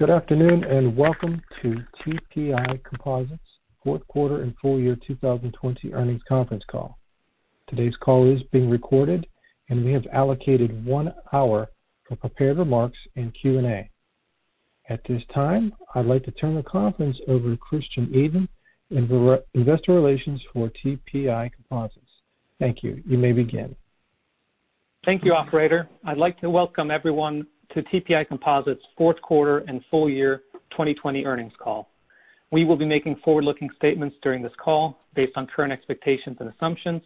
Good afternoon, and welcome to TPI Composites' Fourth Quarter and Full Year 2020 Earnings Conference Call. Today's call is being recorded, and we have allocated one hour for prepared remarks and Q&A. At this time, I'd like to turn the conference over to Christian Edin, Investor Relations for TPI Composites. Thank you. You may begin. Thank you, operator. I'd like to welcome everyone to TPI Composites' Fourth Quarter and Full Year 2020 Earnings Call. We will be making forward-looking statements during this call based on current expectations and assumptions,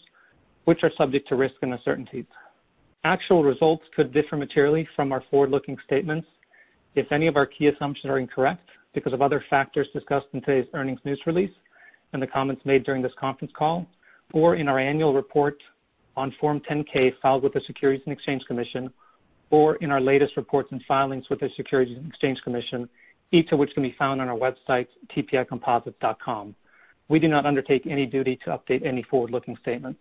which are subject to risk and uncertainties. Actual results could differ materially from our forward-looking statements if any of our key assumptions are incorrect because of other factors discussed in today's earnings news release, in the comments made during this conference call, or in our annual report on Form 10-K filed with the Securities and Exchange Commission, or in our latest reports and filings with the Securities and Exchange Commission, each of which can be found on our website, tpicomposites.com. We do not undertake any duty to update any forward-looking statements.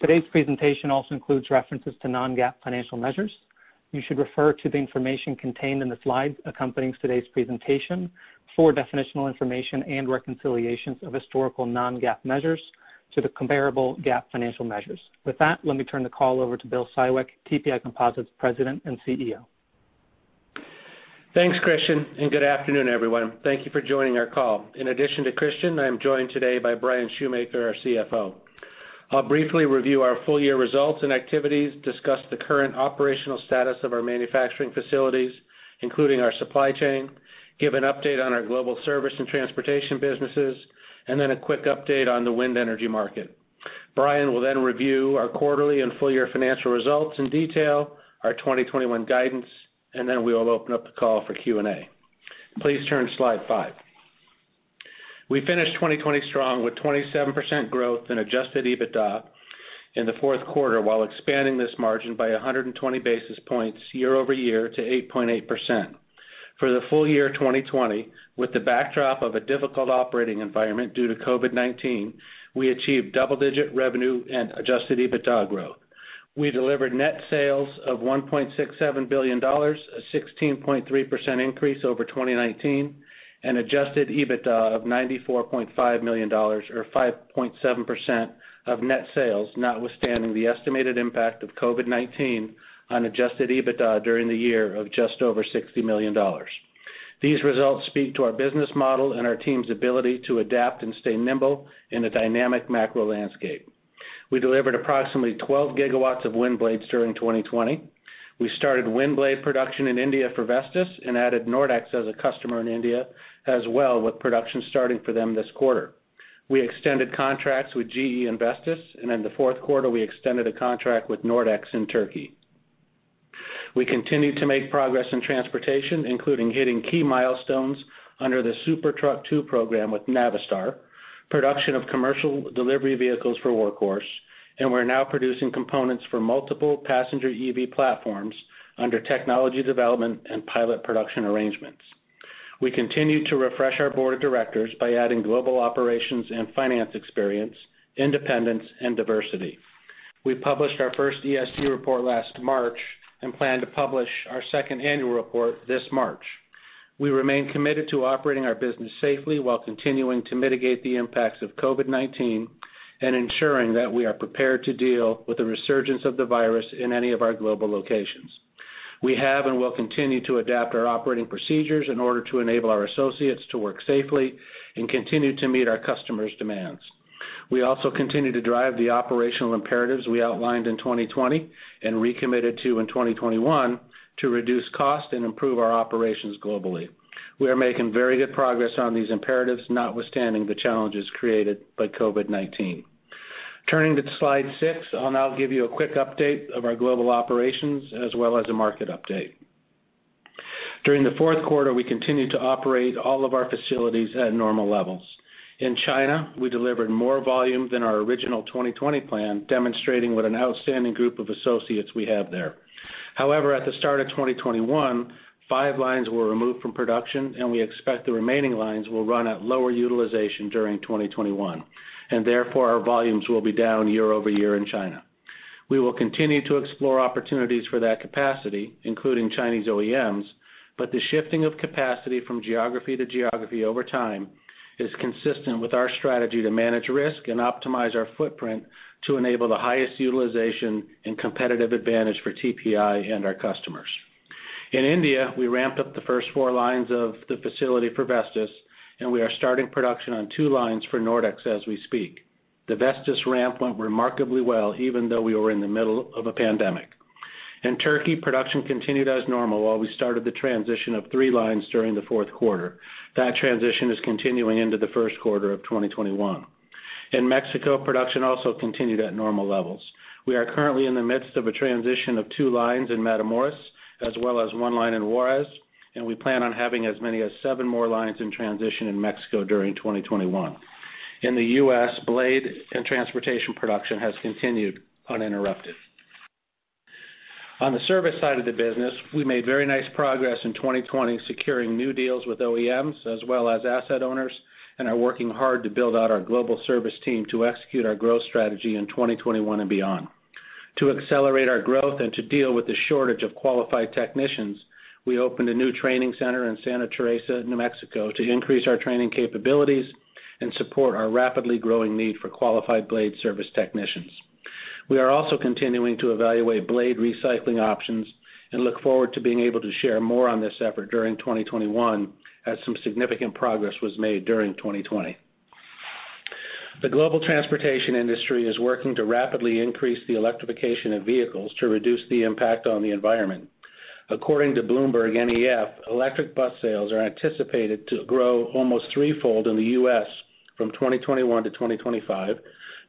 Today's presentation also includes references to non-GAAP financial measures. You should refer to the information contained in the slides accompanying today's presentation for definitional information and reconciliations of historical non-GAAP measures to the comparable GAAP financial measures. With that, let me turn the call over to Bill Siwek, TPI Composites President and CEO. Thanks, Christian. Good afternoon, everyone. Thank you for joining our call. In addition to Christian, I am joined today by Bryan Schumaker, our CFO. I'll briefly review our full-year results and activities, discuss the current operational status of our manufacturing facilities, including our supply chain, give an update on our global service and transportation businesses, then a quick update on the wind energy market. Bryan will then review our quarterly and full-year financial results in detail, our 2021 guidance, then we will open up the call for Q&A. Please turn to slide five. We finished 2020 strong with 27% growth in adjusted EBITDA in the fourth quarter while expanding this margin by 120 basis points year-over-year to 8.8%. For the full-year 2020, with the backdrop of a difficult operating environment due to COVID-19, we achieved double-digit revenue and adjusted EBITDA growth. We delivered net sales of $1.67 billion, a 16.3% increase over 2019, and adjusted EBITDA of $94.5 million or 5.7% of net sales, notwithstanding the estimated impact of COVID-19 on adjusted EBITDA during the year of just over $60 million. These results speak to our business model and our team's ability to adapt and stay nimble in a dynamic macro landscape. We delivered approximately 12 GW of wind blades during 2020. We started wind blade production in India for Vestas and added Nordex as a customer in India as well, with production starting for them this quarter. We extended contracts with GE and Vestas, and in the fourth quarter, we extended a contract with Nordex in Turkey. We continued to make progress in transportation, including hitting key milestones under the SuperTruck II program with Navistar, production of commercial delivery vehicles for Workhorse, and we're now producing components for multiple passenger EV platforms under technology development and pilot production arrangements. We continued to refresh our board of directors by adding global operations and finance experience, independence, and diversity. We published our first ESG report last March and plan to publish our second annual report this March. We remain committed to operating our business safely while continuing to mitigate the impacts of COVID-19 and ensuring that we are prepared to deal with the resurgence of the virus in any of our global locations. We have and will continue to adapt our operating procedures in order to enable our associates to work safely and continue to meet our customers' demands. We also continue to drive the operational imperatives we outlined in 2020 and recommitted to in 2021 to reduce cost and improve our operations globally. We are making very good progress on these imperatives, notwithstanding the challenges created by COVID-19. Turning to slide six. I'll now give you a quick update of our global operations as well as a market update. During the fourth quarter, we continued to operate all of our facilities at normal levels. In China, we delivered more volume than our original 2020 plan, demonstrating what an outstanding group of associates we have there. At the start of 2021, five lines were removed from production, and we expect the remaining lines will run at lower utilization during 2021, and therefore, our volumes will be down year-over-year in China. We will continue to explore opportunities for that capacity, including Chinese OEMs, but the shifting of capacity from geography to geography over time is consistent with our strategy to manage risk and optimize our footprint to enable the highest utilization and competitive advantage for TPI and our customers. In India, we ramped up the first four lines of the facility for Vestas, and we are starting production on two lines for Nordex as we speak. The Vestas ramp went remarkably well even though we were in the middle of a pandemic. In Turkey, production continued as normal while we started the transition of three lines during the fourth quarter. That transition is continuing into the first quarter of 2021. In Mexico, production also continued at normal levels. We are currently in the midst of a transition of two lines in Matamoros, as well as one line in Juarez, and we plan on having as many as seven more lines in transition in Mexico during 2021. In the U.S., blade and transportation production has continued uninterrupted. On the service side of the business, we made very nice progress in 2020 securing new deals with OEMs as well as asset owners and are working hard to build out our global service team to execute our growth strategy in 2021 and beyond. To accelerate our growth and to deal with the shortage of qualified technicians, we opened a new training center in Santa Teresa, New Mexico, to increase our training capabilities and support our rapidly growing need for qualified blade service technicians. We are also continuing to evaluate blade recycling options and look forward to being able to share more on this effort during 2021, as some significant progress was made during 2020. The global transportation industry is working to rapidly increase the electrification of vehicles to reduce the impact on the environment. According to BloombergNEF, electric bus sales are anticipated to grow almost threefold in the U.S. from 2021 to 2025.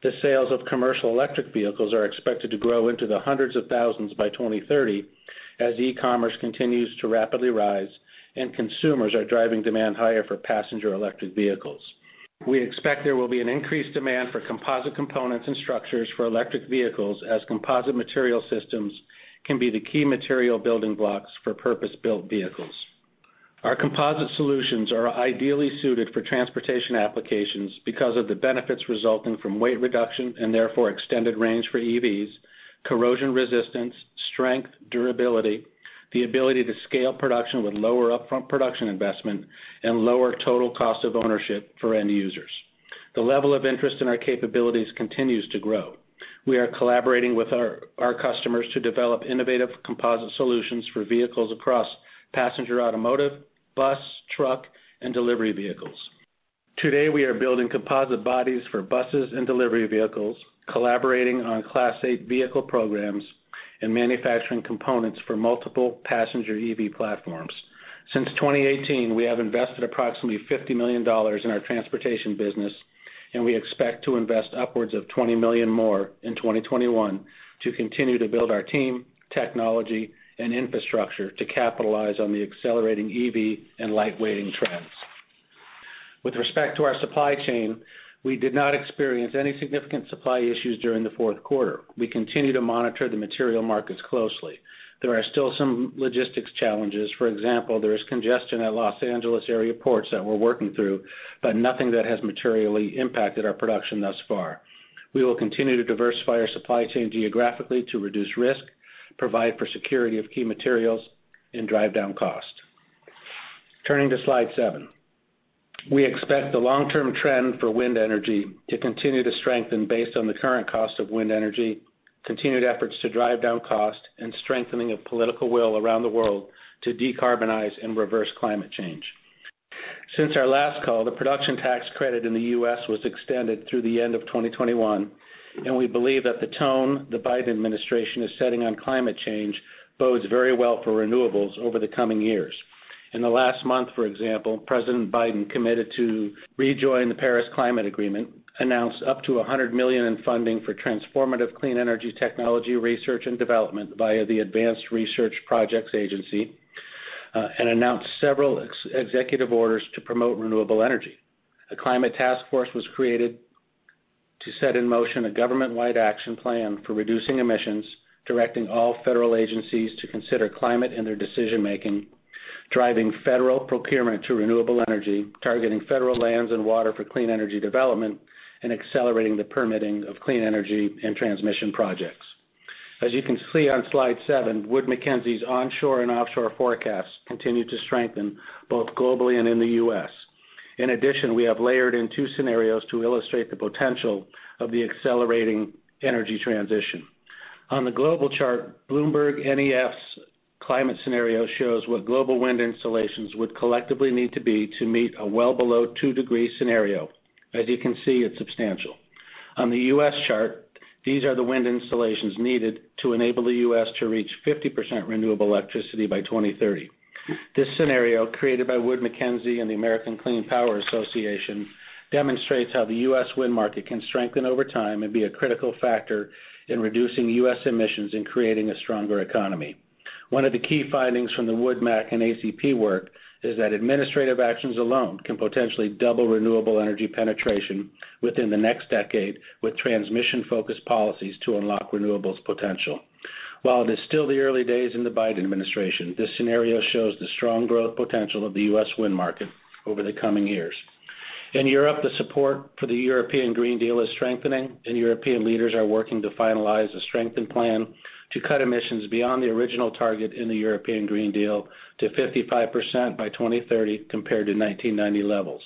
The sales of commercial electric vehicles are expected to grow into the hundreds of thousands by 2030, as e-commerce continues to rapidly rise and consumers are driving demand higher for passenger electric vehicles. We expect there will be an increased demand for composite components and structures for electric vehicles, as composite material systems can be the key material building blocks for purpose-built vehicles. Our composite solutions are ideally suited for transportation applications because of the benefits resulting from weight reduction and therefore extended range for EVs, corrosion resistance, strength, durability, the ability to scale production with lower upfront production investment, and lower total cost of ownership for end users. The level of interest in our capabilities continues to grow. We are collaborating with our customers to develop innovative composite solutions for vehicles across passenger automotive, bus, truck, and delivery vehicles. Today, we are building composite bodies for buses and delivery vehicles, collaborating on Class 8 vehicle programs, and manufacturing components for multiple passenger EV platforms. Since 2018, we have invested approximately $50 million in our transportation business, and we expect to invest upwards of $20 million more in 2021 to continue to build our team, technology, and infrastructure to capitalize on the accelerating EV and lightweighting trends. With respect to our supply chain, we did not experience any significant supply issues during the fourth quarter. We continue to monitor the material markets closely. There are still some logistics challenges. For example, there is congestion at Los Angeles area ports that we're working through, but nothing that has materially impacted our production thus far. We will continue to diversify our supply chain geographically to reduce risk, provide for security of key materials, and drive down cost. Turning to slide seven. We expect the long-term trend for wind energy to continue to strengthen based on the current cost of wind energy, continued efforts to drive down cost, and strengthening of political will around the world to decarbonize and reverse climate change. Since our last call, the production tax credit in the U.S. was extended through the end of 2021. We believe that the tone the Biden administration is setting on climate change bodes very well for renewables over the coming years. In the last month, for example, President Biden committed to rejoin the Paris Agreement, announced up to $100 million in funding for transformative clean energy technology, research and development via the Advanced Research Projects Agency, and announced several executive orders to promote renewable energy. A climate task force was created to set in motion a government-wide action plan for reducing emissions, directing all federal agencies to consider climate in their decision-making, driving federal procurement to renewable energy, targeting federal lands and water for clean energy development, and accelerating the permitting of clean energy and transmission projects. As you can see on slide seven, Wood Mackenzie's onshore and offshore forecasts continue to strengthen both globally and in the U.S. We have layered in two scenarios to illustrate the potential of the accelerating energy transition. On the global chart, BloombergNEF's climate scenario shows what global wind installations would collectively need to be to meet a well below two degree scenario. As you can see, it's substantial. On the U.S. chart, these are the wind installations needed to enable the U.S. to reach 50% renewable electricity by 2030. This scenario, created by Wood Mackenzie and the American Clean Power Association, demonstrates how the U.S. wind market can strengthen over time and be a critical factor in reducing U.S. emissions and creating a stronger economy. One of the key findings from the WoodMac and ACP work is that administrative actions alone can potentially double renewable energy penetration within the next decade with transmission-focused policies to unlock renewables potential. While it is still the early days in the Biden administration, this scenario shows the strong growth potential of the U.S. wind market over the coming years. In Europe, the support for the European Green Deal is strengthening, and European leaders are working to finalize a strengthened plan to cut emissions beyond the original target in the European Green Deal to 55% by 2030, compared to 1990 levels.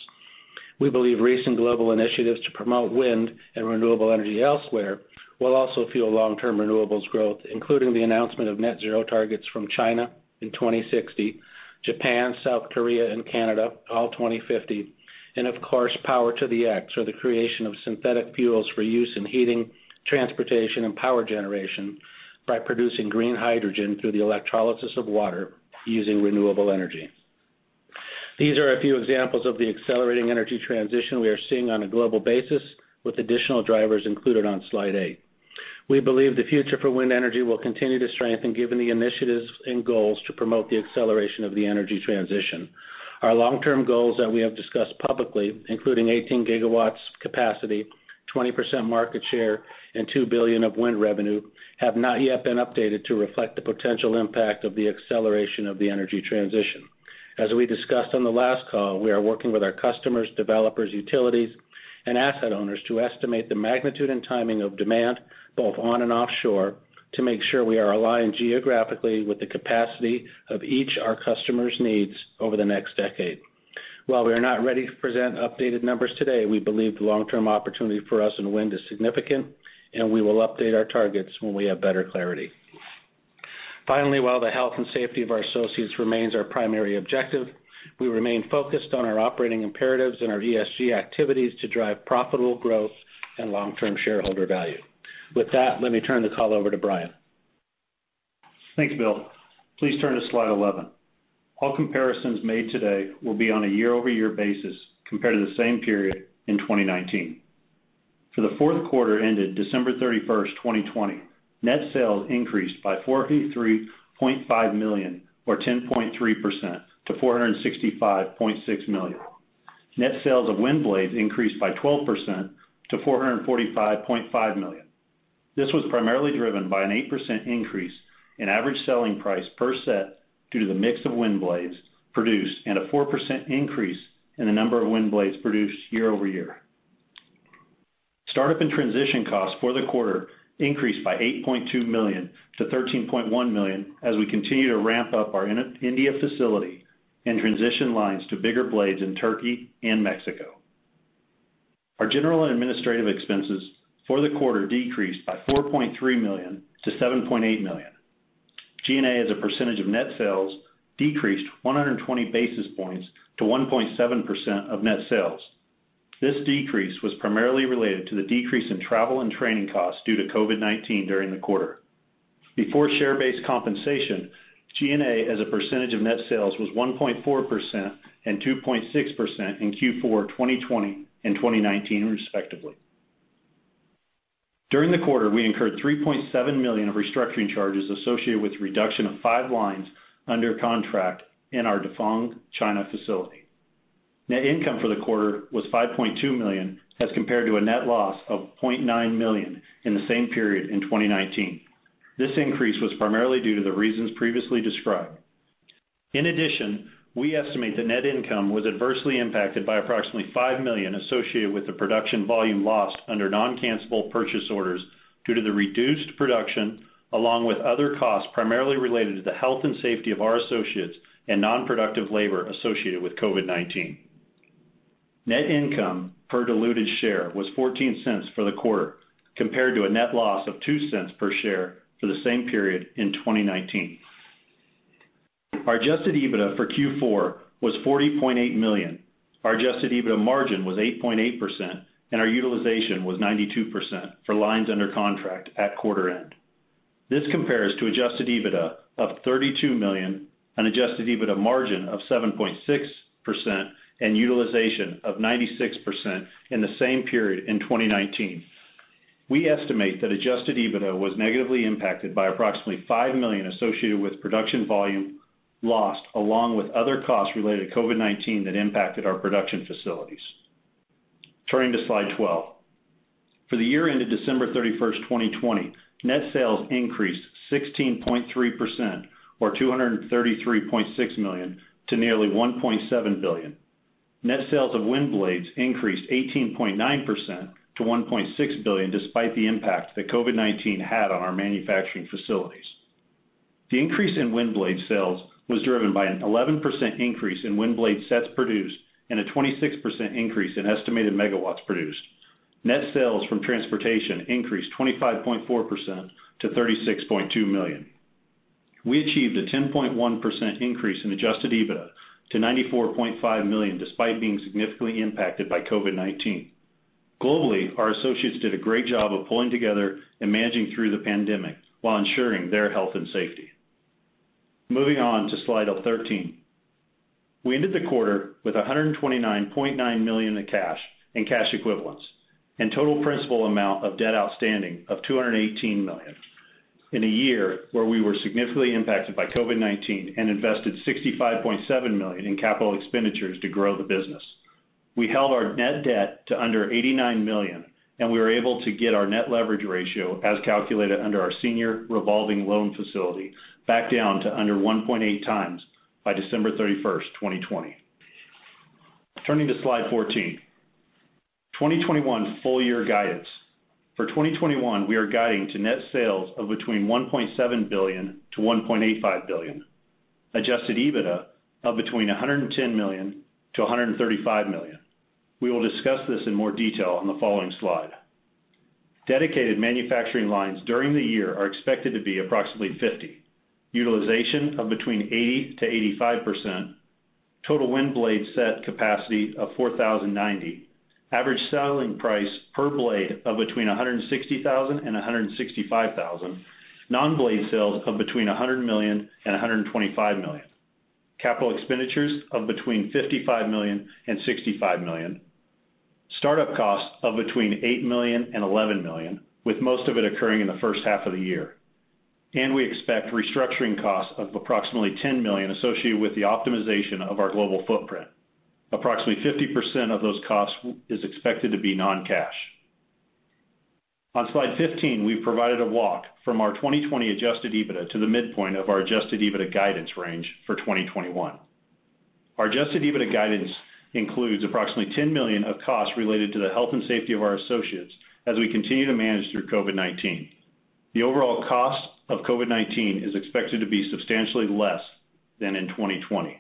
We believe recent global initiatives to promote wind and renewable energy elsewhere will also fuel long-term renewables growth, including the announcement of net zero targets from China in 2060, Japan, South Korea, and Canada, all 2050, and of course, Power-to-X, or the creation of synthetic fuels for use in heating, transportation, and power generation by producing green hydrogen through the electrolysis of water using renewable energy. These are a few examples of the accelerating energy transition we are seeing on a global basis, with additional drivers included on slide eight. We believe the future for wind energy will continue to strengthen given the initiatives and goals to promote the acceleration of the energy transition. Our long-term goals that we have discussed publicly, including 18 GW capacity, 20% market share, and $2 billion of wind revenue, have not yet been updated to reflect the potential impact of the acceleration of the energy transition. As we discussed on the last call, we are working with our customers, developers, utilities, and asset owners to estimate the magnitude and timing of demand, both on and offshore, to make sure we are aligned geographically with the capacity of each our customers' needs over the next decade. While we are not ready to present updated numbers today, we believe the long-term opportunity for us in wind is significant, and we will update our targets when we have better clarity. Finally, while the health and safety of our associates remains our primary objective, we remain focused on our operating imperatives and our ESG activities to drive profitable growth and long-term shareholder value. With that, let me turn the call over to Bryan. Thanks, Bill. Please turn to slide 11. All comparisons made today will be on a year-over-year basis compared to the same period in 2019. For the fourth quarter ended December 31st, 2020, net sales increased by $43.5 million or 10.3% to $465.6 million. Net sales of wind blades increased by 12% to $445.5 million. This was primarily driven by an 8% increase in average selling price per set due to the mix of wind blades produced and a 4% increase in the number of wind blades produced year-over-year. Start-up and transition costs for the quarter increased by $8.2 million to $13.1 million as we continue to ramp up our India facility and transition lines to bigger blades in Turkey and Mexico. Our general and administrative expenses for the quarter decreased by $4.3 million to $7.8 million. G&A as a percentage of net sales decreased 120 basis points to 1.7% of net sales. This decrease was primarily related to the decrease in travel and training costs due to COVID-19 during the quarter. Before share-based compensation, G&A as a percentage of net sales was 1.4% and 2.6% in Q4 2020 and 2019 respectively. During the quarter, we incurred $3.7 million of restructuring charges associated with the reduction of five lines under contract in our Dafeng, China facility. Net income for the quarter was $5.2 million as compared to a net loss of $0.9 million in the same period in 2019. This increase was primarily due to the reasons previously described. In addition, we estimate that net income was adversely impacted by approximately $5 million associated with the production volume lost under non-cancellable purchase orders due to the reduced production, along with other costs primarily related to the health and safety of our associates and non-productive labor associated with COVID-19. Net income per diluted share was $0.14 for the quarter, compared to a net loss of $0.02 per share for the same period in 2019. Our adjusted EBITDA for Q4 was $40.8 million. Our adjusted EBITDA margin was 8.8%, and our utilization was 92% for lines under contract at quarter end. This compares to adjusted EBITDA of $32 million on adjusted EBITDA margin of 7.6% and utilization of 96% in the same period in 2019. We estimate that adjusted EBITDA was negatively impacted by approximately $5 million associated with production volume lost, along with other costs related to COVID-19 that impacted our production facilities. Turning to slide 12. For the year ended December 31st, 2020, net sales increased 16.3% or $233.6 million to nearly $1.7 billion. Net sales of wind blades increased 18.9% to $1.6 billion, despite the impact that COVID-19 had on our manufacturing facilities. The increase in wind blade sales was driven by an 11% increase in wind blade sets produced and a 26% increase in estimated megawatts produced. Net sales from transportation increased 25.4% to $36.2 million. We achieved a 10.1% increase in adjusted EBITDA to $94.5 million, despite being significantly impacted by COVID-19. Globally, our associates did a great job of pulling together and managing through the pandemic while ensuring their health and safety. Moving on to slide 13. We ended the quarter with $129.9 million in cash and cash equivalents and total principal amount of debt outstanding of $218 million. In a year where we were significantly impacted by COVID-19 and invested $65.7 million in capital expenditures to grow the business. We held our net debt to under $89 million, we were able to get our net leverage ratio as calculated under our senior revolving loan facility back down to under 1.8x by December 31st, 2020. Turning to slide 14. 2021 full year guidance. For 2021, we are guiding to net sales of between $1.7 billion-$1.85 billion. Adjusted EBITDA of between $110 million-$135 million. We will discuss this in more detail on the following slide. Dedicated manufacturing lines during the year are expected to be approximately 50. Utilization of between 80%-85%. Total wind blade set capacity of 4,090. Average selling price per blade of between $160,000 and $165,000. Non-blade sales of between $100 million and $125 million. Capital expenditures of between $55 million and $65 million. Start-up costs of between $8 million and $11 million, with most of it occurring in the first half of the year. We expect restructuring costs of approximately $10 million associated with the optimization of our global footprint. Approximately 50% of those costs is expected to be non-cash. On slide 15, we've provided a walk from our 2020 adjusted EBITDA to the midpoint of our adjusted EBITDA guidance range for 2021. Our adjusted EBITDA guidance includes approximately $10 million of costs related to the health and safety of our associates, as we continue to manage through COVID-19. The overall cost of COVID-19 is expected to be substantially less than in 2020.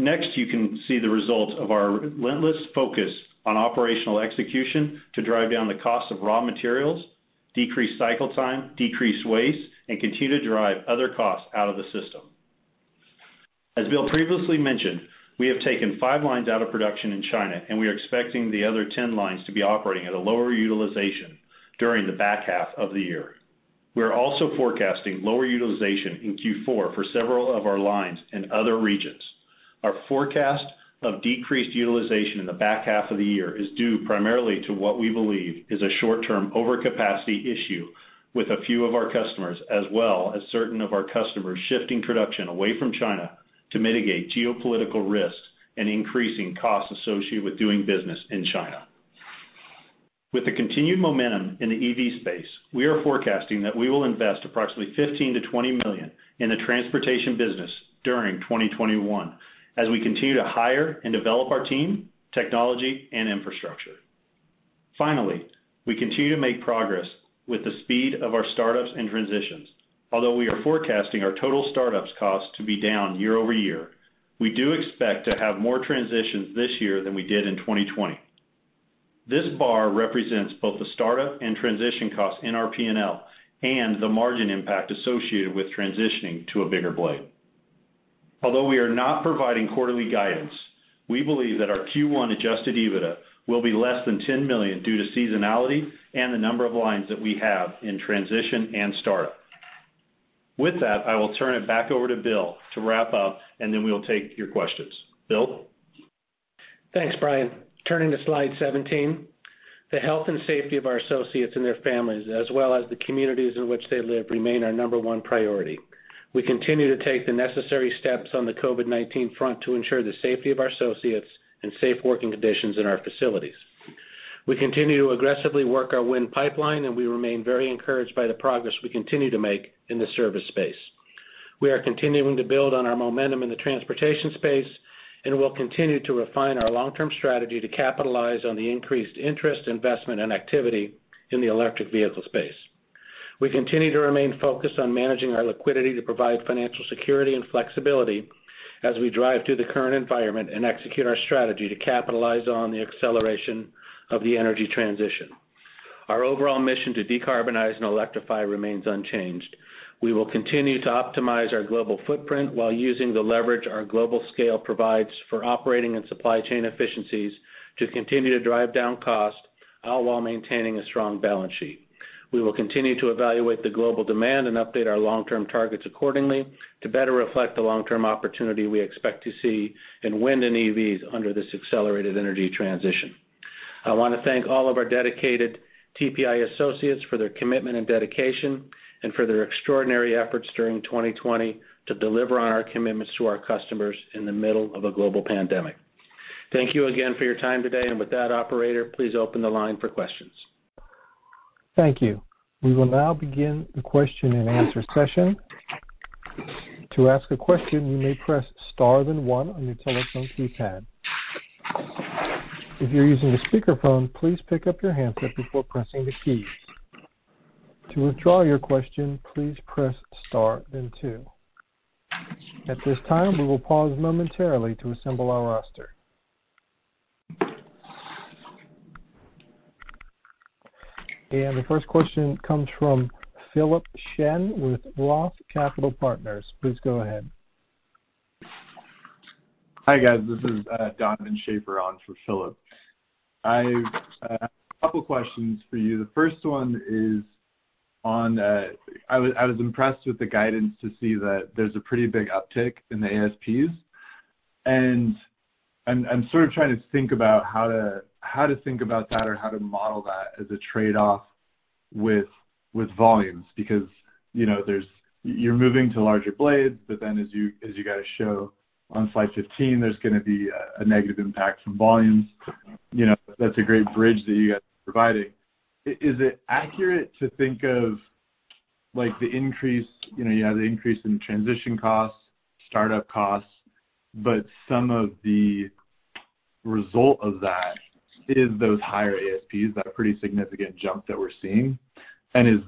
You can see the results of our relentless focus on operational execution to drive down the cost of raw materials, decrease cycle time, decrease waste, and continue to drive other costs out of the system. As Bill previously mentioned, we have taken five lines out of production in China, and we are expecting the other 10 lines to be operating at a lower utilization during the back half of the year. We are also forecasting lower utilization in Q4 for several of our lines in other regions. Our forecast of decreased utilization in the back half of the year is due primarily to what we believe is a short-term overcapacity issue with a few of our customers, as well as certain of our customers shifting production away from China to mitigate geopolitical risks and increasing costs associated with doing business in China. With the continued momentum in the EV space, we are forecasting that we will invest approximately $15 million-$20 million in the transportation business during 2021, as we continue to hire and develop our team, technology, and infrastructure. Finally, we continue to make progress with the speed of our startups and transitions. Although we are forecasting our total startups cost to be down year-over-year, we do expect to have more transitions this year than we did in 2020. This bar represents both the startup and transition costs in our P&L and the margin impact associated with transitioning to a bigger blade. Although we are not providing quarterly guidance, we believe that our Q1 adjusted EBITDA will be less than $10 million due to seasonality and the number of lines that we have in transition and startup. With that, I will turn it back over to Bill to wrap up, and then we'll take your questions. Bill? Thanks, Bryan. Turning to slide 17. The health and safety of our associates and their families, as well as the communities in which they live, remain our number one priority. We continue to take the necessary steps on the COVID-19 front to ensure the safety of our associates and safe working conditions in our facilities. We continue to aggressively work our wind pipeline, and we remain very encouraged by the progress we continue to make in the service space. We are continuing to build on our momentum in the transportation space, and we'll continue to refine our long-term strategy to capitalize on the increased interest, investment, and activity in the electric vehicle space. We continue to remain focused on managing our liquidity to provide financial security and flexibility as we drive through the current environment and execute our strategy to capitalize on the acceleration of the energy transition. Our overall mission to decarbonize and electrify remains unchanged. We will continue to optimize our global footprint while using the leverage our global scale provides for operating and supply chain efficiencies to continue to drive down cost, all while maintaining a strong balance sheet. We will continue to evaluate the global demand and update our long-term targets accordingly to better reflect the long-term opportunity we expect to see in wind and EVs under this accelerated energy transition. I want to thank all of our dedicated TPI associates for their commitment and dedication and for their extraordinary efforts during 2020 to deliver on our commitments to our customers in the middle of a global pandemic. Thank you again for your time today. With that, operator, please open the line for questions. Thank you. We will now begin the question and answer session. To ask a question, you may press star then one on your telephone keypad. If you are using a speakerphone, please pick-up your handset before pressing the keys. To withdraw your question, please press star then two. At this time, we will pause momentarily to assemble our roster. The first question comes from Philip Shen with Roth Capital Partners. Please go ahead. Hi, guys. This is Donovan Schafer on for Philip. I have a couple questions for you. The first one is, I was impressed with the guidance to see that there's a pretty big uptick in the ASPs. I'm sort of trying to think about how to think about that or how to model that as a trade-off with volumes, because you're moving to larger blades, but then as you guys show on slide 15, there's going to be a negative impact from volumes. That's a great bridge that you guys are providing. Is it accurate to think of the increase in transition costs, startup costs, but some of the result of that is those higher ASPs, that pretty significant jump that we're seeing? If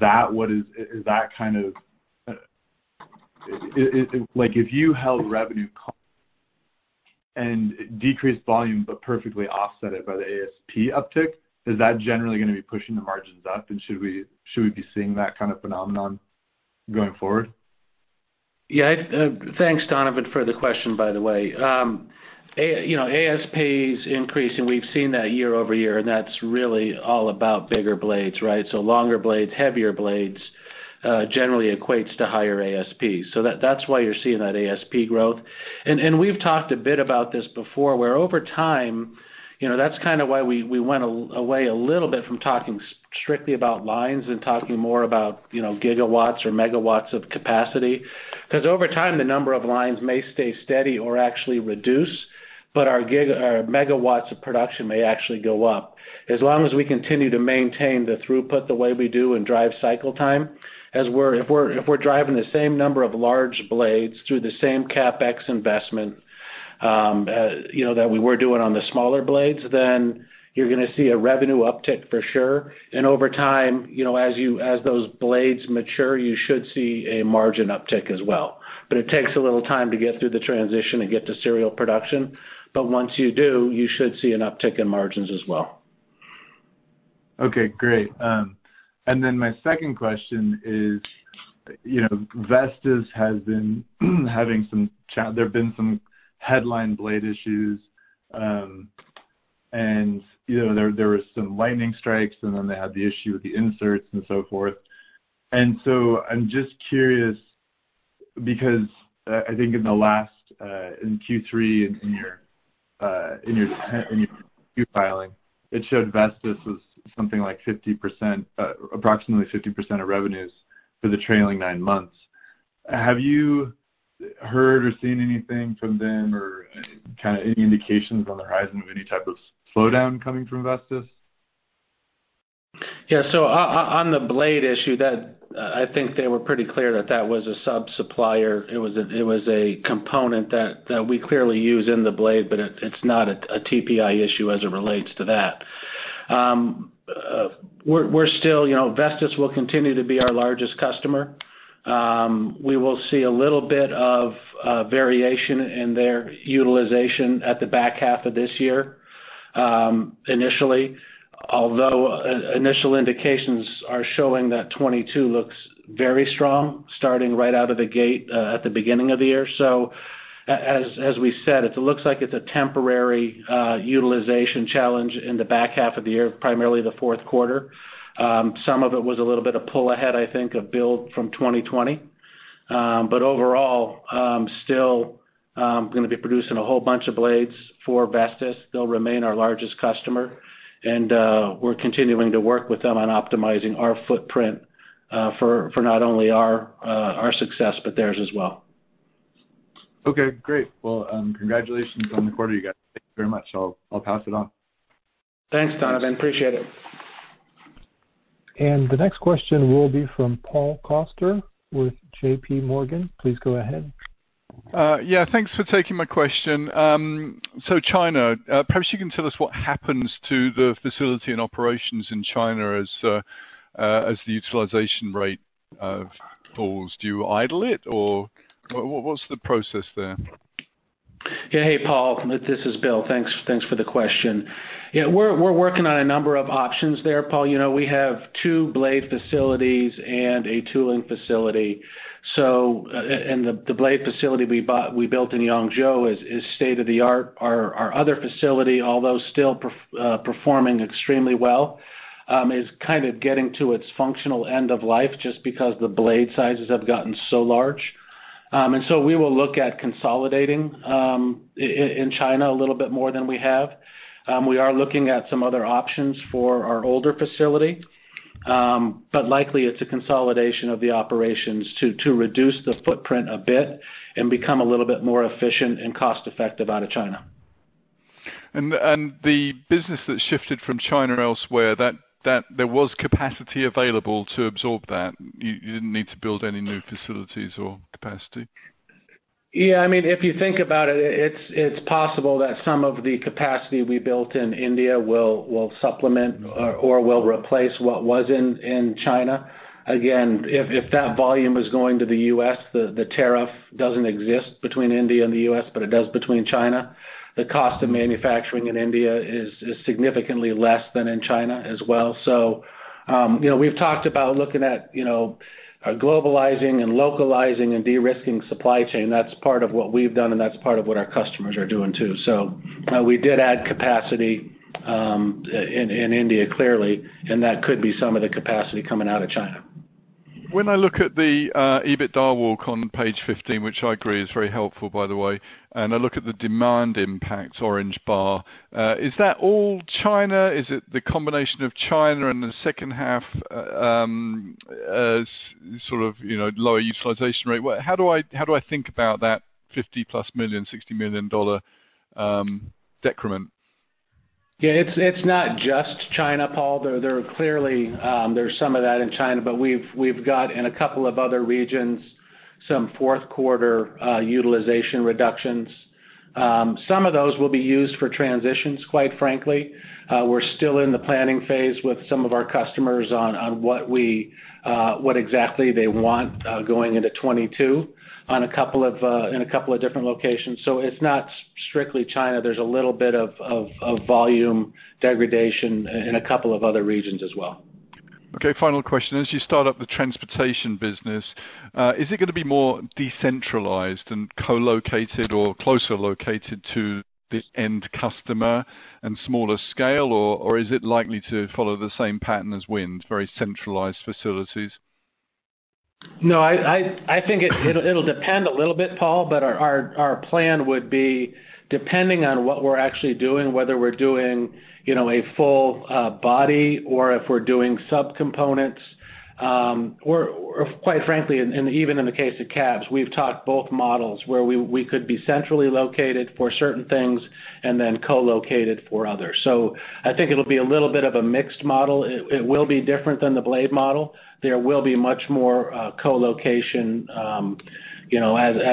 you held revenue constant and decreased volume, but perfectly offset it by the ASP uptick, is that generally going to be pushing the margins up? Should we be seeing that kind of phenomenon going forward? Yeah. Thanks, Donovan, for the question, by the way. ASP is increasing. We've seen that year-over-year, and that's really all about bigger blades, right? Longer blades, heavier blades generally equates to higher ASPs. That's why you're seeing that ASP growth. We've talked a bit about this before, where over time, that's kind of why we went away a little bit from talking strictly about lines and talking more about gigawatts or megawatts of capacity. Because over time, the number of lines may stay steady or actually reduce, but our megawatts of production may actually go up. As long as we continue to maintain the throughput the way we do and drive cycle time, if we're driving the same number of large blades through the same CapEx investment that we were doing on the smaller blades, then you're going to see a revenue uptick for sure. Over time, as those blades mature, you should see a margin uptick as well. It takes a little time to get through the transition and get to serial production. Once you do, you should see an uptick in margins as well. Okay, great. My second question is, Vestas has been having some There have been some headline blade issues. There was some lightning strikes, and then they had the issue with the inserts and so forth. I'm just curious because I think in the last, in Q3, in your Q filing, it showed Vestas was something like 50%, approximately 50% of revenues for the trailing nine months. Have you heard or seen anything from them or kind of any indications on the horizon of any type of slowdown coming from Vestas? Yeah. On the blade issue, I think they were pretty clear that that was a sub-supplier. It was a component that we clearly use in the blade, it's not a TPI issue as it relates to that. Vestas will continue to be our largest customer. We will see a little bit of variation in their utilization at the back half of this year. Initially, although initial indications are showing that 2022 looks very strong starting right out of the gate at the beginning of the year. As we said, it looks like it's a temporary utilization challenge in the back half of the year, primarily the fourth quarter. Some of it was a little bit of pull ahead, I think, of build from 2020. Overall, still going to be producing a whole bunch of blades for Vestas. They'll remain our largest customer. We're continuing to work with them on optimizing our footprint, for not only our success, but theirs as well. Okay, great. Well, congratulations on the quarter, you guys. Thank you very much. I'll pass it on. Thanks, Donovan. Appreciate it. The next question will be from Paul Coster with JPMorgan. Please go ahead. Yeah, thanks for taking my question. China, perhaps you can tell us what happens to the facility and operations in China as the utilization rate falls. Do you idle it or what's the process there? Yeah. Hey, Paul. This is Bill. Thanks for the question. Yeah, we're working on a number of options there, Paul. We have two blade facilities and a tooling facility. The blade facility we built in Yangzhou is state of the art. Our other facility, although still performing extremely well, is kind of getting to its functional end of life just because the blade sizes have gotten so large. We will look at consolidating in China a little bit more than we have. We are looking at some other options for our older facility. Likely it's a consolidation of the operations to reduce the footprint a bit and become a little bit more efficient and cost-effective out of China. The business that shifted from China elsewhere, there was capacity available to absorb that. You didn't need to build any new facilities or capacity. Yeah, if you think about it's possible that some of the capacity we built in India will supplement or will replace what was in China. If that volume is going to the U.S., the tariff doesn't exist between India and the U.S., but it does between China. The cost of manufacturing in India is significantly less than in China as well. We've talked about looking at globalizing and localizing and de-risking supply chain. That's part of what we've done, and that's part of what our customers are doing, too. We did add capacity in India, clearly, and that could be some of the capacity coming out of China. When I look at the EBITDA walk on page 15, which I agree is very helpful, by the way, and I look at the demand impact orange bar, is that all China? Is it the combination of China and the second half as sort of lower utilization rate? How do I think about that $50+ million, $60 million decrement? Yeah, it's not just China, Paul. Clearly, there's some of that in China. We've got in a couple of other regions, some fourth quarter utilization reductions. Some of those will be used for transitions, quite frankly. We're still in the planning phase with some of our customers on what exactly they want going into 2022 in a couple of different locations. It's not strictly China. There's a little bit of volume degradation in a couple of other regions as well. Okay. Final question. As you start up the transportation business, is it going to be more decentralized and co-located or closer located to the end customer and smaller scale, or is it likely to follow the same pattern as wind, very centralized facilities? No, I think it'll depend a little bit, Paul. Our plan would be depending on what we're actually doing, whether we're doing a full body or if we're doing sub-components. Quite frankly, even in the case of cabs, we've talked both models where we could be centrally located for certain things and then co-located for others. I think it'll be a little bit of a mixed model. It will be different than the blade model. There will be much more co-location as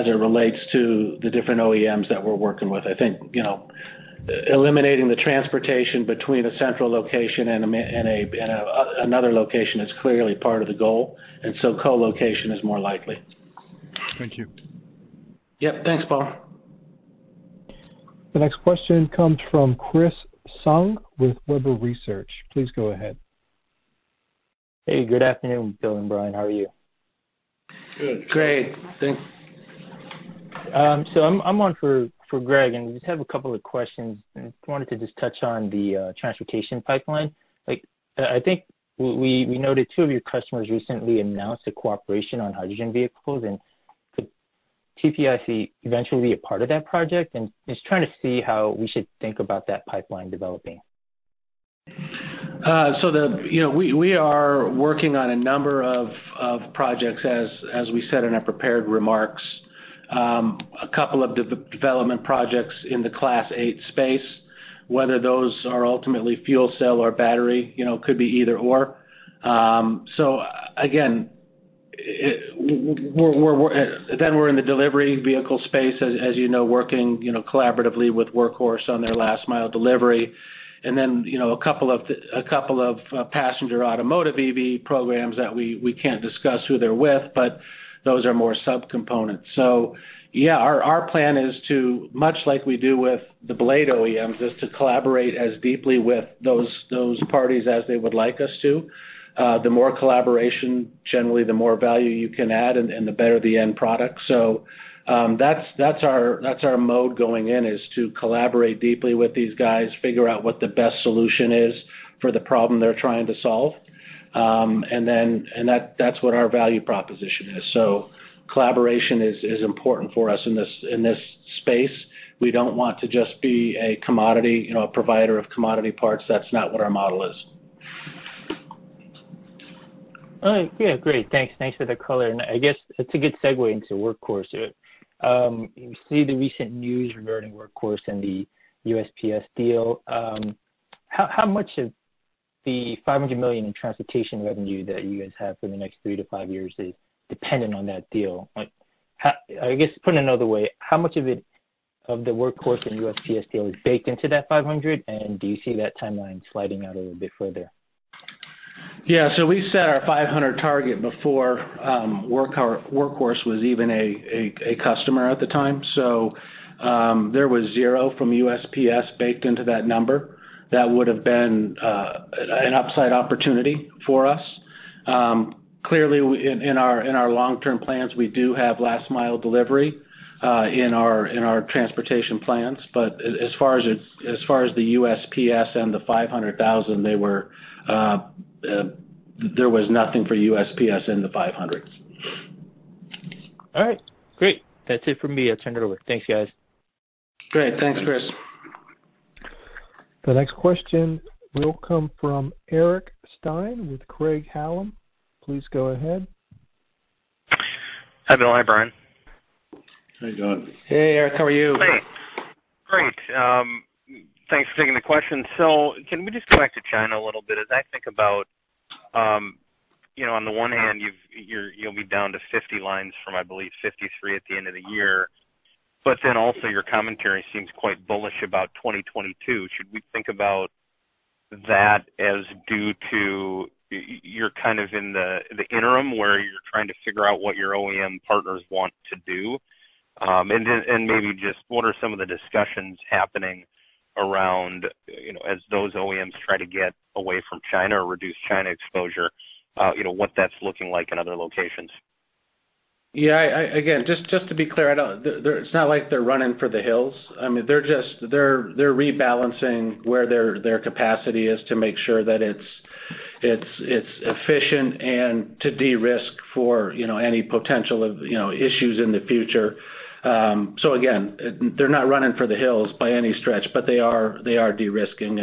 it relates to the different OEMs that we're working with. I think eliminating the transportation between a central location and another location is clearly part of the goal. Co-location is more likely. Thank you. Yep. Thanks, Paul. The next question comes from Chris Tsung with Webber Research. Please go ahead. Hey, good afternoon, Bill and Bryan. How are you? Good. Great. Thanks. I'm on for Greg, and I just have a couple of questions, and wanted to just touch on the transportation pipeline. I think we noted two of your customers recently announced a cooperation on hydrogen vehicles, and could TPIC eventually be a part of that project? I'm just trying to see how we should think about that pipeline developing. We are working on a number of projects as we said in our prepared remarks. A couple of development projects in the Class 8 space, whether those are ultimately fuel cell or battery, could be either or. We're in the delivery vehicle space as you know, working collaboratively with Workhorse on their last mile delivery. A couple of passenger automotive EV programs that we can't discuss who they're with, but those are more subcomponents. Our plan is to, much like we do with the blade OEMs, is to collaborate as deeply with those parties as they would like us to. The more collaboration, generally, the more value you can add and the better the end product. That's our mode going in, is to collaborate deeply with these guys, figure out what the best solution is for the problem they're trying to solve. That's what our value proposition is. Collaboration is important for us in this space. We don't want to just be a provider of commodity parts. That's not what our model is. Thanks for the color. I guess it's a good segue into Workhorse. You see the recent news regarding Workhorse and the USPS deal. How much of the $500 million in transportation revenue that you guys have for the next three to five years is dependent on that deal? I guess put another way, how much of the Workhorse and USPS deal is baked into that $500, and do you see that timeline sliding out a little bit further? Yeah. We set our 500 target before Workhorse was even a customer at the time. There was zero from USPS baked into that number. That would've been an upside opportunity for us. Clearly, in our long-term plans, we do have last mile delivery in our transportation plans. As far as the USPS and the 500,000, there was nothing for USPS in the 500. All right, great. That's it for me. I turn it over. Thanks, guys. Great. Thanks, Chris. The next question will come from Eric Stine with Craig-Hallum. Please go ahead. Hi, Bill. Hi, Bryan. Hey, John. Hey, Eric. How are you? Hey. Great. Thanks for taking the question. Can we just go back to China a little bit? As I think about, on the one hand, you'll be down to 50 lines from, I believe, 53 at the end of the year, also your commentary seems quite bullish about 2022. Should we think about that as due to, you're kind of in the interim where you're trying to figure out what your OEM partners want to do? Maybe just what are some of the discussions happening around as those OEMs try to get away from China or reduce China exposure, what that's looking like in other locations? Yeah. Again, just to be clear, it's not like they're running for the hills. They're rebalancing where their capacity is to make sure that it's efficient and to de-risk for any potential issues in the future. Again, they're not running for the hills by any stretch, but they are de-risking,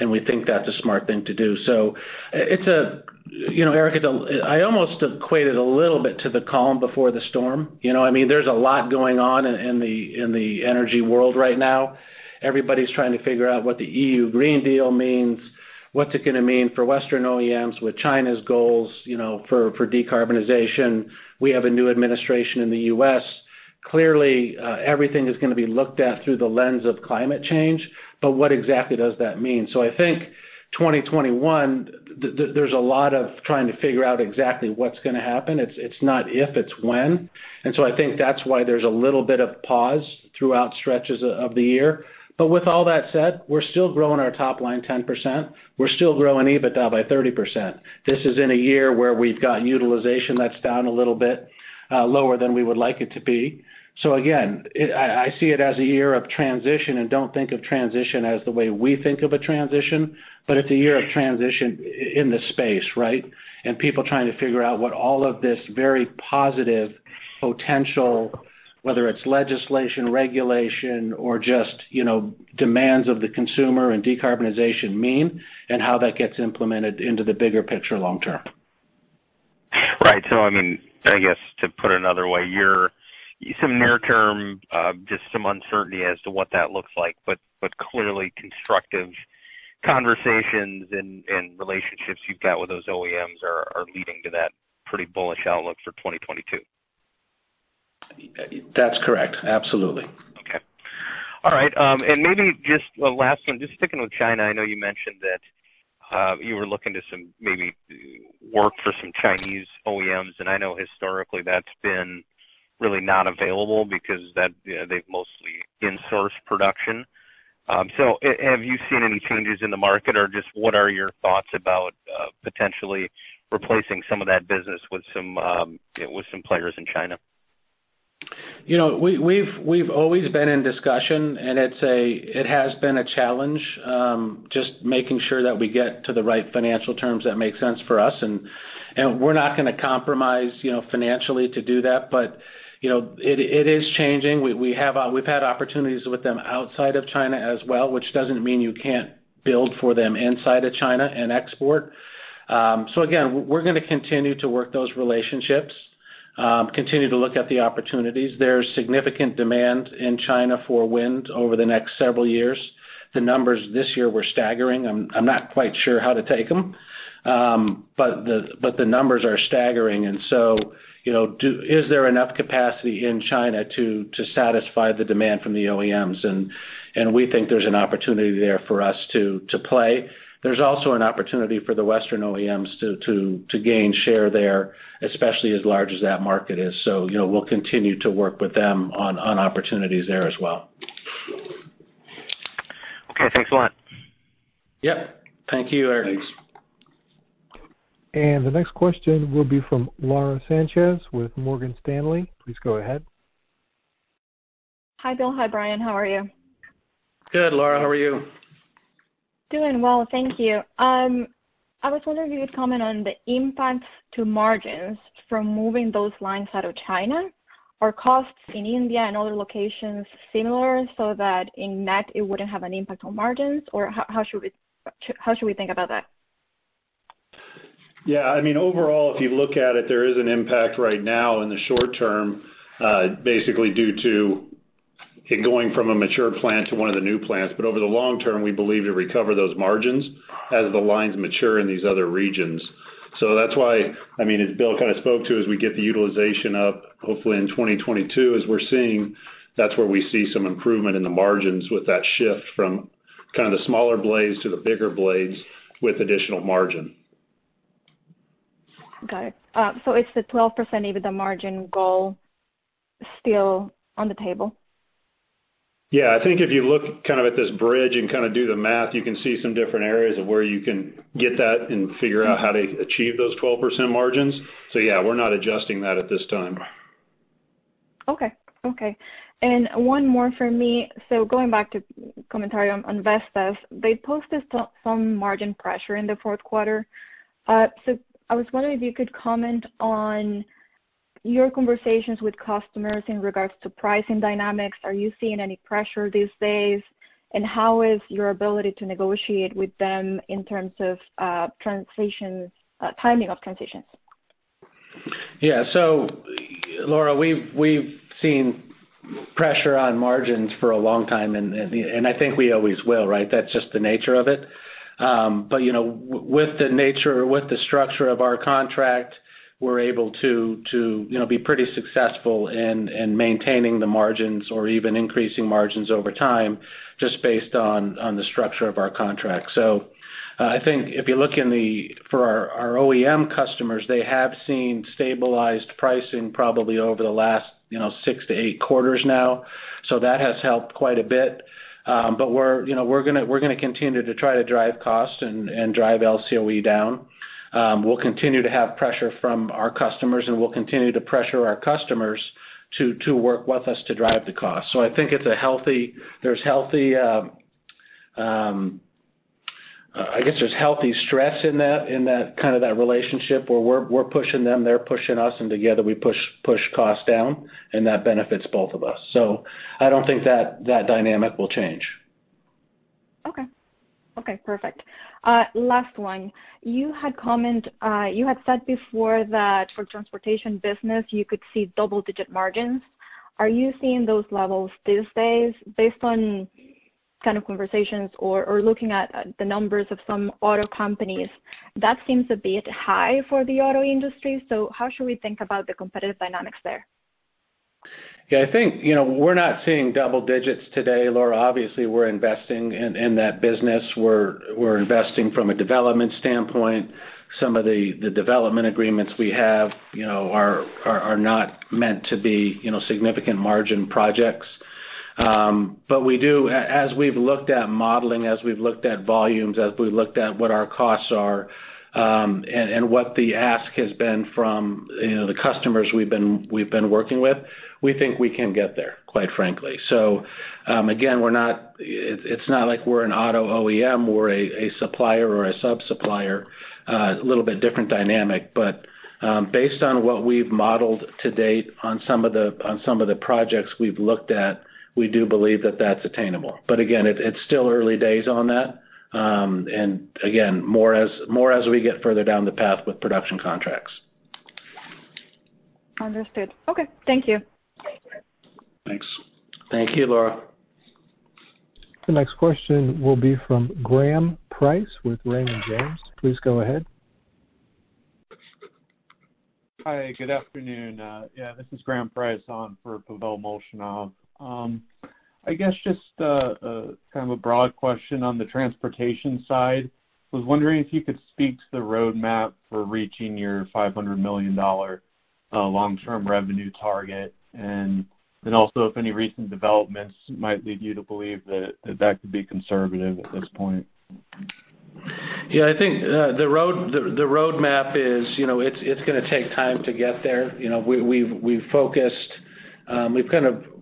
and we think that's a smart thing to do. Eric, I almost equate it a little bit to the calm before the storm. There's a lot going on in the energy world right now. Everybody's trying to figure out what the EU Green Deal means, what's it going to mean for Western OEMs with China's goals for de-carbonization. We have a new administration in the U.S. Clearly, everything is going to be looked at through the lens of climate change, but what exactly does that mean? I think 2021, there's a lot of trying to figure out exactly what's going to happen. It's not if, it's when. I think that's why there's a little bit of pause throughout stretches of the year. With all that said, we're still growing our top line 10%. We're still growing EBITDA by 30%. This is in a year where we've got utilization that's down a little bit, lower than we would like it to be. Again, I see it as a year of transition and don't think of transition as the way we think of a transition, but it's a year of transition in the space, right? People trying to figure out what all of this very positive potential, whether it's legislation, regulation, or just demands of the consumer and de-carbonization mean, and how that gets implemented into the bigger picture long term. Right. I guess to put another way, some near term, just some uncertainty as to what that looks like, but clearly constructive conversations and relationships you've got with those OEMs are leading to that pretty bullish outlook for 2022. That's correct. Absolutely. Okay. All right. Maybe just a last one, just sticking with China. I know you mentioned that you were looking to maybe work for some Chinese OEMs, and I know historically that's been really not available because they've mostly insourced production. Have you seen any changes in the market, or just what are your thoughts about potentially replacing some of that business with some players in China? We've always been in discussion, and it has been a challenge just making sure that we get to the right financial terms that make sense for us. We're not going to compromise financially to do that. It is changing. We've had opportunities with them outside of China as well, which doesn't mean you can't build for them inside of China and export. Again, we're going to continue to work those relationships, continue to look at the opportunities. There's significant demand in China for wind over the next several years. The numbers this year were staggering. I'm not quite sure how to take them. The numbers are staggering and so, is there enough capacity in China to satisfy the demand from the OEMs? We think there's an opportunity there for us to play. There's also an opportunity for the Western OEMs to gain share there, especially as large as that market is. We'll continue to work with them on opportunities there as well. Okay. Thanks a lot. Yep. Thank you, Eric. Thanks. The next question will be from Laura Sanchez with Morgan Stanley. Please go ahead. Hi, Bill. Hi, Bryan. How are you? Good, Laura, how are you? Doing well, thank you. I was wondering if you could comment on the impact to margins from moving those lines out of China. Are costs in India and other locations similar, so that in net it wouldn't have an impact on margins? How should we think about that? Yeah, overall, if you look at it, there is an impact right now in the short term basically due to it going from a mature plant to one of the new plants. Over the long term, we believe to recover those margins as the lines mature in these other regions. That's why, as Bill kind of spoke to, as we get the utilization up, hopefully in 2022, as we're seeing, that's where we see some improvement in the margins with that shift from kind of the smaller blades to the bigger blades with additional margin. Got it. Is the 12% EBITDA margin goal still on the table? I think if you look at this bridge and do the math, you can see some different areas of where you can get that and figure out how to achieve those 12% margins. We're not adjusting that at this time. Okay. One more from me. Going back to commentary on Vestas. They posted some margin pressure in the fourth quarter. I was wondering if you could comment on your conversations with customers in regards to pricing dynamics. Are you seeing any pressure these days? How is your ability to negotiate with them in terms of timing of transitions? Yeah. Laura, we've seen pressure on margins for a long time, and I think we always will, right? That's just the nature of it. With the structure of our contract, we're able to be pretty successful in maintaining the margins or even increasing margins over time, just based on the structure of our contract. I think if you look for our OEM customers, they have seen stabilized pricing probably over the last six to eight quarters now. That has helped quite a bit. We're going to continue to try to drive cost and drive LCOE down. We'll continue to have pressure from our customers, and we'll continue to pressure our customers to work with us to drive the cost. I think there's healthy stress in that kind of that relationship where we're pushing them, they're pushing us, and together we push cost down, and that benefits both of us. I don't think that dynamic will change. Okay. Perfect. Last one. You had said before that for transportation business you could see double-digit margins. Are you seeing those levels these days based on kind of conversations or looking at the numbers of some auto companies? That seems a bit high for the auto industry. How should we think about the competitive dynamics there? Yeah, I think, we're not seeing double digits today, Laura. Obviously, we're investing in that business. We're investing from a development standpoint. Some of the development agreements we have are not meant to be significant margin projects. As we've looked at modeling, as we've looked at volumes, as we've looked at what our costs are and what the ask has been from the customers we've been working with, we think we can get there, quite frankly. Again, it's not like we're an auto OEM, we're a supplier or a sub-supplier. A little bit different dynamic. Based on what we've modeled to date on some of the projects we've looked at, we do believe that that's attainable. Again, it's still early days on that. Again, more as we get further down the path with production contracts. Understood. Okay. Thank you. Thanks. Thank you, Laura. The next question will be from Graham Price with Raymond James. Please go ahead. Hi, good afternoon. Yeah, this is Graham Price on for Pavel Molchanov. I guess just kind of a broad question on the transportation side. I was wondering if you could speak to the roadmap for reaching your $500 million long-term revenue target, also if any recent developments might lead you to believe that that could be conservative at this point. Yeah, I think the roadmap is going to take time to get there.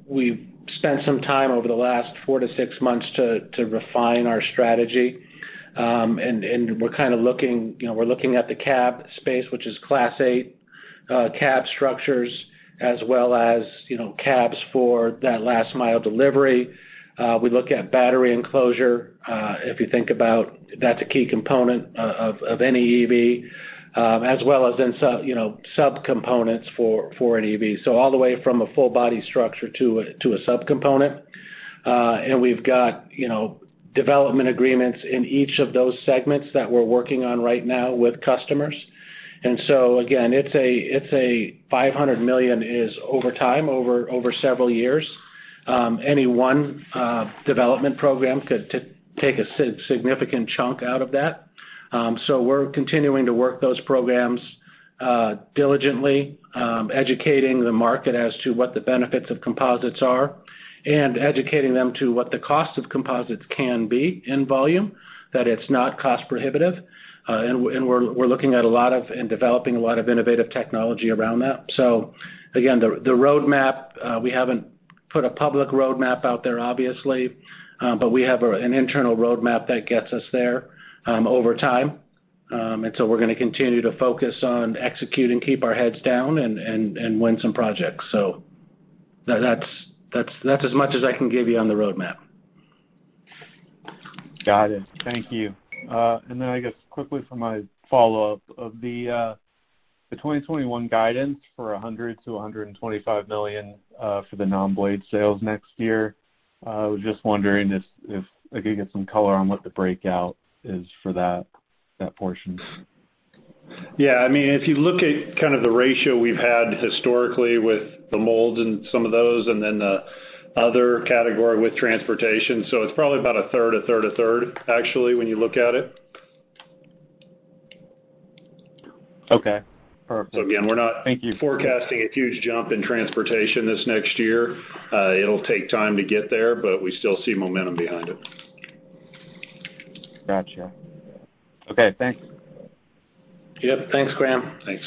We've spent some time over the last four to six months to refine our strategy. We're looking at the cab space, which is Class 8 cab structures, as well as cabs for that last mile delivery. We look at battery enclosure. If you think about it, that's a key component of any EV, as well as sub-components for an EV. All the way from a full body structure to a sub-component. We've got development agreements in each of those segments that we're working on right now with customers. Again, it's a $500 million is over time, over several years. Any one development program could take a significant chunk out of that. We're continuing to work those programs diligently, educating the market as to what the benefits of composites are and educating them to what the cost of composites can be in volume, that it's not cost prohibitive. We're looking at a lot of, and developing a lot of innovative technology around that. Again, the roadmap, we haven't put a public roadmap out there, obviously, but we have an internal roadmap that gets us there over time. We're going to continue to focus on executing, keep our heads down and win some projects. That's as much as I can give you on the roadmap. Got it. Thank you. I guess quickly for my follow-up, of the 2021 guidance for $100 million-$125 million for the non-blade sales next year, I was just wondering if I could get some color on what the breakout is for that portion. Yeah, if you look at kind of the ratio we've had historically with the mold and some of those, and then the other category with transportation, so it's probably about a third, a third, a third, actually, when you look at it. Okay, perfect. So again, we're not- Thank you Forecasting a huge jump in transportation this next year. It'll take time to get there, but we still see momentum behind it. Got you. Okay, thanks. Yep. Thanks, Graham. Thanks.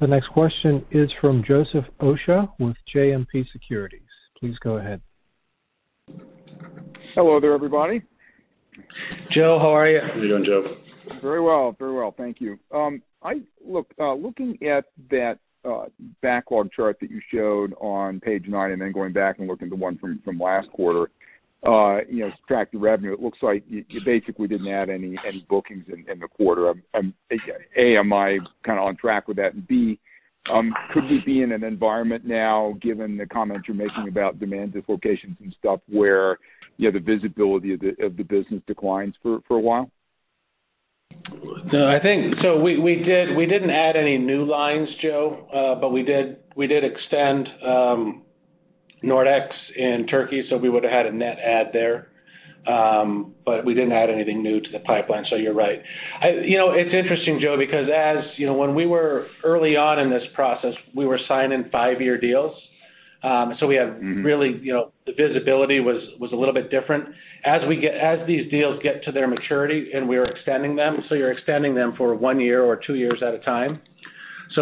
The next question is from Joseph Osha with JMP Securities. Please go ahead. Hello there, everybody. Joe, how are you? How are you doing, Joe? Very well. Thank you. Looking at that backlog chart that you showed on page nine, and then going back and looking at the one from last quarter, tracked to revenue, it looks like you basically didn't add any bookings in the quarter. A, am I kind of on track with that, and B, could we be in an environment now, given the comments you're making about demand dislocations and stuff, where the visibility of the business declines for a while? No, we didn't add any new lines, Joe. We did extend Nordex in Turkey, so we would have had a net add there. We didn't add anything new to the pipeline, so you're right. It's interesting, Joe, because when we were early on in this process, we were signing five-year deals. The visibility was a little bit different. As these deals get to their maturity and we are extending them, you're extending them for one year or two years at a time.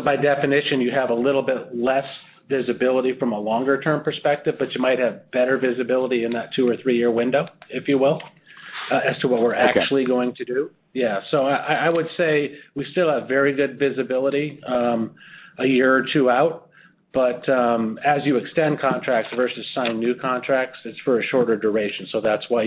By definition, you have a little bit less visibility from a longer-term perspective, but you might have better visibility in that two- or three-year window, if you will, as to what we're actually going to do. Okay. Yeah. I would say we still have very good visibility a year or two out. As you extend contracts versus sign new contracts, it's for a shorter duration. That's why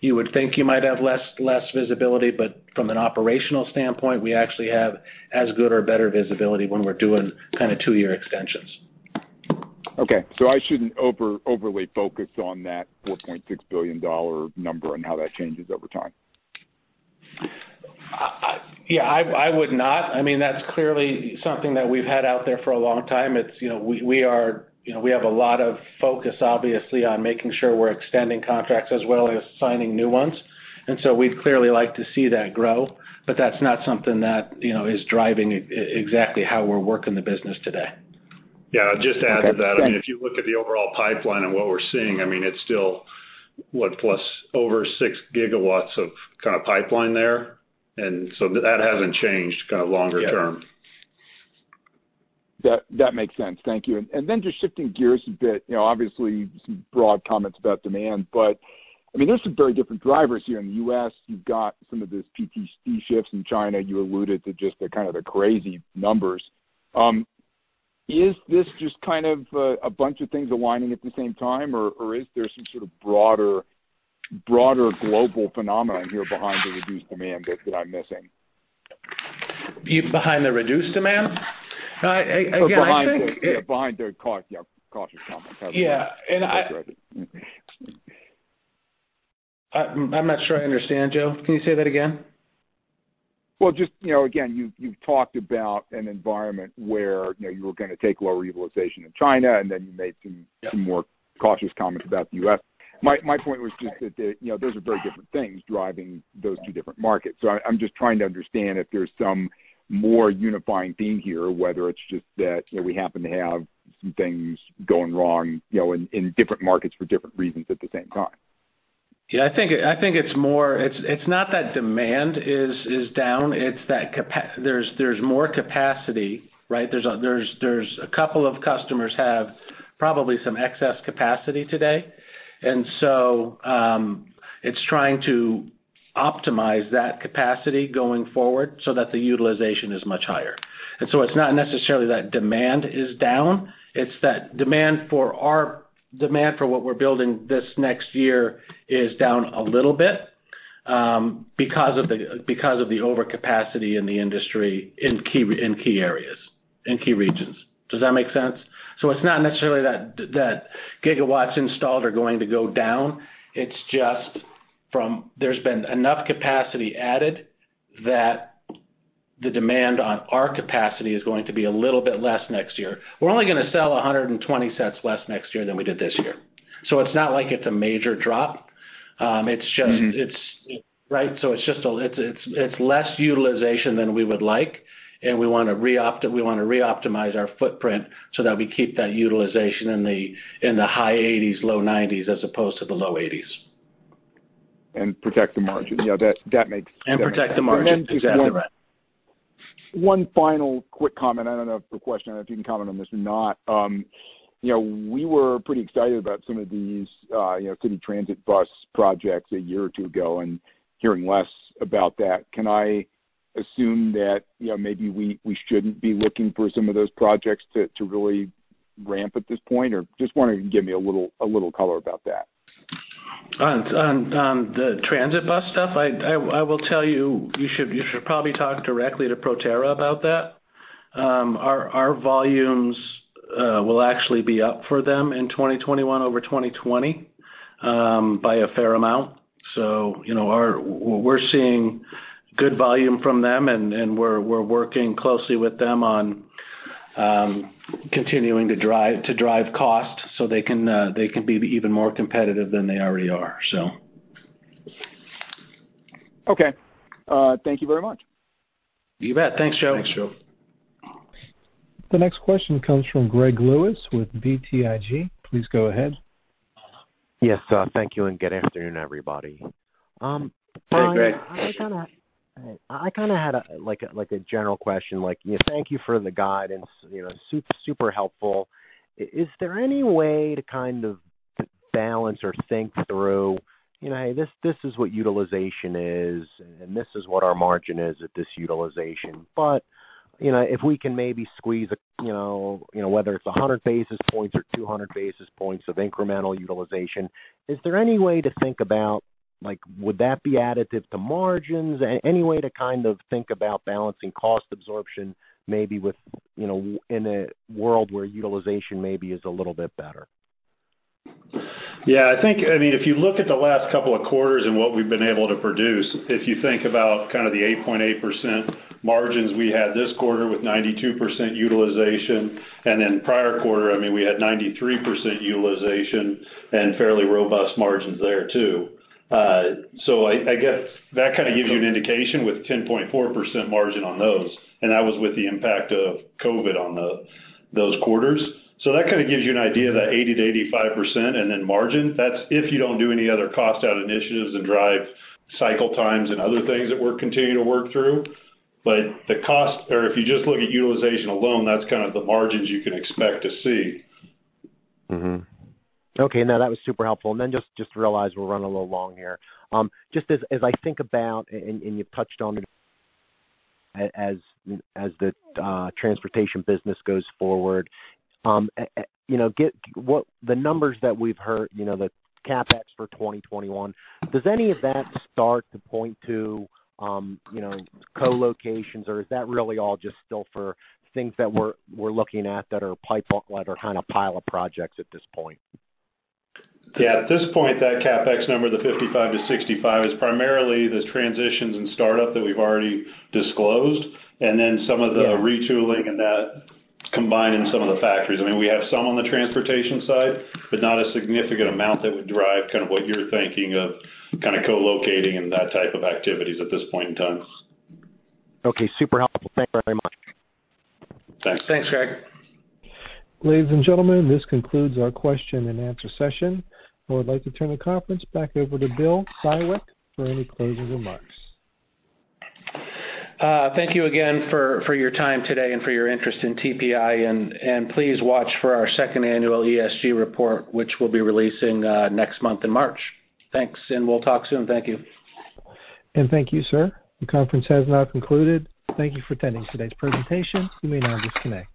you would think you might have less visibility, but from an operational standpoint, we actually have as good or better visibility when we're doing kind of two-year extensions. Okay. I shouldn't overly focus on that $4.6 billion number and how that changes over time. Yeah, I would not. That's clearly something that we've had out there for a long time. We have a lot of focus, obviously, on making sure we're extending contracts as well as signing new ones. We'd clearly like to see that grow, but that's not something that is driving exactly how we're working the business today. Yeah, I'd just add to that. I mean, if you look at the overall pipeline and what we're seeing, it's still, what, plus over 6 GW of kind of pipeline there. That hasn't changed kind of longer term. Yeah. That makes sense. Thank you. Just shifting gears a bit, obviously some broad comments about demand, but there's some very different drivers here. In the U.S., you've got some of this PTC shifts. In China, you alluded to just the kind of the crazy numbers. Is this just kind of a bunch of things aligning at the same time, or is there some sort of broader global phenomenon here behind the reduced demand that I'm missing? Behind the reduced demand? Behind the cautious comments. Yeah. I apologize. I'm not sure I understand, Joe. Can you say that again? Well, just again, you've talked about an environment where you were going to take lower utilization in China. Yeah Some more cautious comments about the U.S. My point was just that those are very different things driving those two different markets. I'm just trying to understand if there's some more unifying theme here, whether it's just that we happen to have some things going wrong in different markets for different reasons at the same time. Yeah, I think it's not that demand is down, it's that there's more capacity, right? There's a couple of customers have probably some excess capacity today. It's trying to optimize that capacity going forward so that the utilization is much higher. It's not necessarily that demand is down, it's that demand for what we're building this next year is down a little bit because of the overcapacity in the industry, in key areas, in key regions. Does that make sense? It's not necessarily that gigawatts installed are going to go down. It's just there's been enough capacity added that the demand on our capacity is going to be a little bit less next year. We're only going to sell 120 sets less next year than we did this year. It's not like it's a major drop. It's less utilization than we would like, and we want to reoptimize our footprint so that we keep that utilization in the high 80s, low 90s, as opposed to the low 80s. Protect the margin. Yeah. Protect the margin, exactly right. One final quick comment. I don't know if a question, I don't know if you can comment on this or not. We were pretty excited about some of these city transit bus projects a year or two ago, and hearing less about that. Can I assume that maybe we shouldn't be looking for some of those projects to really ramp at this point? Just wondering if you could give me a little color about that. On the transit bus stuff, I will tell you should probably talk directly to Proterra about that. Our volumes will actually be up for them in 2021 over 2020, by a fair amount. We're seeing good volume from them, and we're working closely with them on continuing to drive cost so they can be even more competitive than they already are. Okay. Thank you very much. You bet. Thanks, Joe. Thanks, Joe. The next question comes from Greg Lewis with BTIG. Please go ahead. Yes, thank you, and good afternoon, everybody. Hey, Greg. I kind of had a general question. Thank you for the guidance, super helpful. Is there any way to balance or think through, "Hey, this is what utilization is, and this is what our margin is at this utilization." If we can maybe squeeze, whether it's 100 basis points or 200 basis points of incremental utilization, is there any way to think about would that be additive to margins? Any way to think about balancing cost absorption, maybe in a world where utilization maybe is a little bit better? I think if you look at the last couple of quarters and what we've been able to produce, if you think about the 8.8% margins we had this quarter with 92% utilization. Prior quarter, we had 93% utilization and fairly robust margins there, too. I guess that kind of gives you an indication with 10.4% margin on those, and that was with the impact of COVID on those quarters. That kind of gives you an idea, that 80%-85%, and then margin. That's if you don't do any other cost-out initiatives to drive cycle times and other things that we're continuing to work through. The cost, or if you just look at utilization alone, that's kind of the margins you can expect to see. Mm-hmm. Okay, no, that was super helpful. Just realized we're running a little long here. Just as I think about, and you've touched on as the transportation business goes forward, the numbers that we've heard, the CapEx for 2021, does any of that start to point to co-locations or is that really all just still for things that we're looking at that are pipe or kind of pile of projects at this point? Yeah. At this point, that CapEx number, the $55-$65, is primarily the transitions and startup that we've already disclosed, and then some of the retooling and that combined in some of the factories. We have some on the transportation side, but not a significant amount that would drive what you're thinking of co-locating and that type of activities at this point in time. Okay. Super helpful. Thank you very much. Thanks. Thanks, Greg. Ladies and gentlemen, this concludes our question and answer session. I would like to turn the conference back over to Bill Siwek for any closing remarks. Thank you again for your time today and for your interest in TPI. Please watch for our second annual ESG report, which we'll be releasing next month in March. Thanks, and we'll talk soon. Thank you. Thank you, sir. The conference has now concluded. Thank you for attending today's presentation. You may now disconnect.